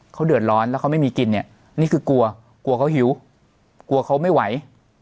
เขาเดือดร้อนแล้วเขาไม่มีกินเนี่ยนี่คือกลัวกลัวเขาหิวกลัวเขาไม่ไหว